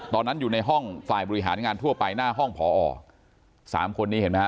ตอนนั้นอยู่ในห้องฝ่ายบริหารงานทั่วไปหน้าห้องพอสามคนนี้เห็นไหมฮ